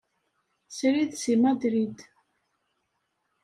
Srid seg Madrid.